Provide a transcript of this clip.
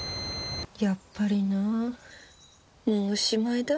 やっぱりなもうおしまいだ。